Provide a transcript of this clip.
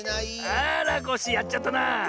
あらコッシーやっちゃったな！